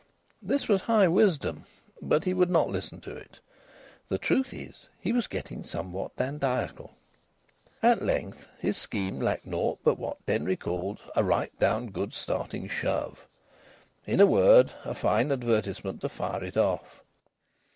This was high wisdom. But he would not listen to it. The truth is, he was getting somewhat dandiacal. At length his scheme lacked naught but what Denry called a "right down good starting shove." In a word, a fine advertisement to fire it off.